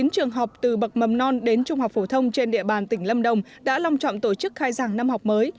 sáu trăm bốn mươi chín trường học từ bậc mầm non đến trung học phổ thông trên địa bàn tỉnh lâm đồng đã lòng trọng tổ chức khai giảng năm học mới